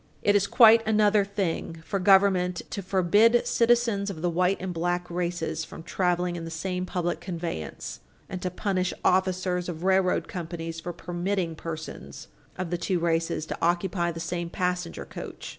It is quite another thing for government to forbid citizens of the white and black races from traveling in the same public conveyance, and to punish officers of railroad companies for permitting persons of the two races to occupy the same passenger coach.